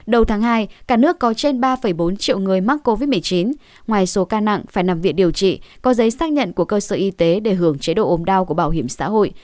đầu tháng hai cả nước có trên ba bốn triệu người mắc covid một mươi chín ngoài số ca nặng phải nằm viện điều trị có giấy xác nhận của cơ sở y tế để hưởng chế độ ốm đau của bảo hiểm xã hội